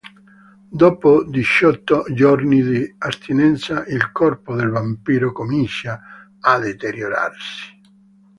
Dopo diciotto giorni di astinenza, il corpo del vampiro comincia a deteriorarsi.